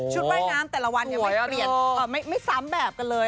ชุดว่ายงามแต่ละวันยังไม่เปลี่ยนไม่ซ้ำแบบกันเลย